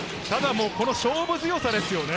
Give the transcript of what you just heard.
この勝負強さですよね。